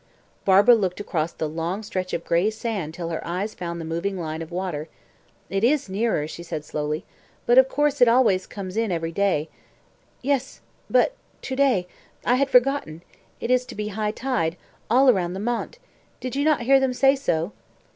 Barbara looked across the long stretch of gray sand till her eyes found the moving line of water. "It is nearer," she said slowly; "but of course it always comes in every day." "Yes but to day I had forgotten it is to be high tide all round the Mont. Did you not hear them say so?"